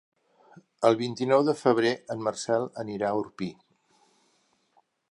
El vint-i-nou de febrer en Marcel anirà a Orpí.